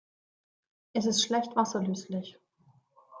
Es ist schlecht wasserlöslich.